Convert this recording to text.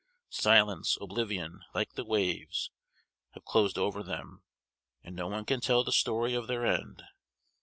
Silence, oblivion, like the waves, have closed over them, and no one can tell the story of their end.